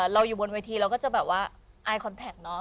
เราอยู่บนเวทีเราก็จะแบบว่าอายคอนแท็กเนอะ